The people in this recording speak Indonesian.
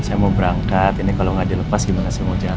saya mau berangkat ini kalau nggak dilepas gimana sih mau jalan